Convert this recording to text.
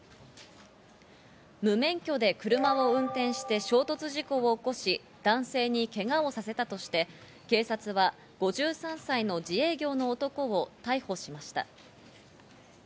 無免許で車を運転して衝突事故を起こし男性にけがをさせたとして、警察は５３歳の自営業の男を逮捕しました。